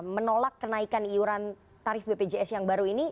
menolak kenaikan iuran tarif bpjs yang baru ini